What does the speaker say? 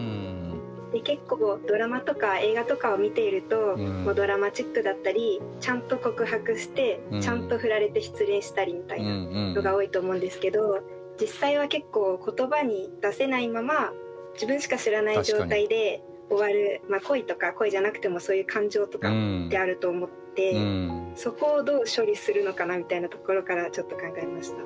で結構ドラマとか映画とかを見ているとドラマチックだったりちゃんと告白してちゃんと振られて失恋したりみたいなのが多いと思うんですけど実際は結構言葉に出せないまま自分しか知らない状態で終わるまあ恋とか恋じゃなくてもそういう感情とかってあると思ってそこをどう処理するのかなみたいなところからちょっと考えました。